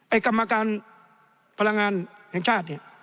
ไอ้กรรมการพลังงานแห่งชาติ